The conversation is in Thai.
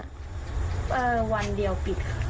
วันเดียวปิดค่ะ